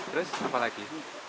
terus apa lagi